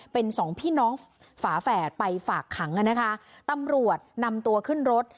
เป็นสองพี่น้องฝาแฝดไปฝากขังอ่ะนะคะตำรวจนำตัวขึ้นรถ